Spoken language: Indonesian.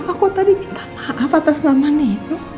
pak aku tadi minta maaf atas nama nino